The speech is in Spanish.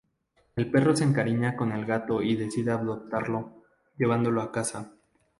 El perro se encariña con el gato y decide adoptarlo, llevándolo a su casa.